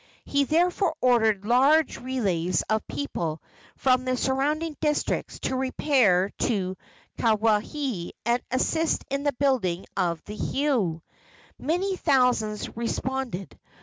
He therefore ordered large relays of people from the surrounding districts to repair to Kawaihae and assist in the building of the heiau. Many thousands responded.